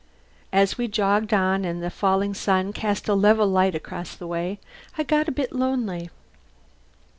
As we jogged on, and the falling sun cast a level light across the way, I got a bit lonely.